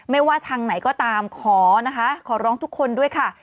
ไม่ว่าทางไหนก็ตามขอนะคะขอร้องทุกคนด้วยค่ะ